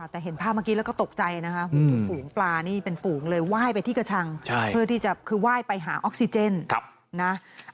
แต่เห็นภาพเมื่อกี้แล้วก็ตกใจนะคะฝูงปลานี่เป็นฝูงเลยไหว้ไปที่กระชังเพื่อที่จะคือไหว้ไปหาออกซิเจนนะ